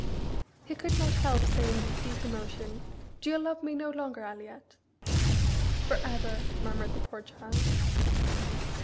He could not help saying with deep emotion, "Do you love me no longer, Aliette?" "For ever!" murmured the poor child.